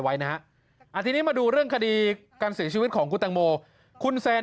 ไว้นะฮะทีนี้มาดูเรื่องคดีการเสียชีวิตของคุณตังโมคุณแซน